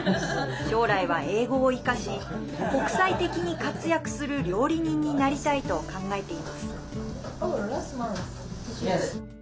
将来は英語を生かし国際的に活躍する料理人になりたいと考えています。